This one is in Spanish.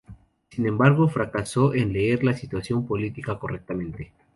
Sin embargo, fracasó en leer la situación política correctamente.